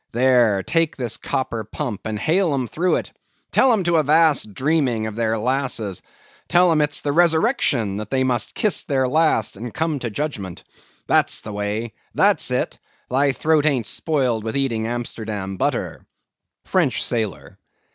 There, take this copper pump, and hail 'em through it. Tell 'em to avast dreaming of their lasses. Tell 'em it's the resurrection; they must kiss their last, and come to judgment. That's the way—that's it; thy throat ain't spoiled with eating Amsterdam butter. FRENCH SAILOR.